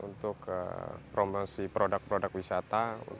untuk promosi produk produk wisata